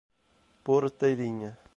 Porteirinha